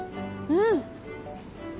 うん！